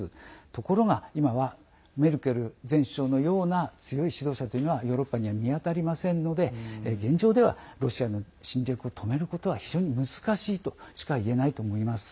ところが今はメルケル前首相のような強い指導者というのはヨーロッパには見当たりませんので現状ではロシアの侵略を止めることは非常に難しいとしかいえないと思います。